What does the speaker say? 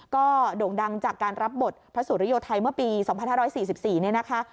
ก็โด่งดังจากการรับบทพระสุริโยไทยเมื่อปี๒๕๔๔เนี่ยนะคะ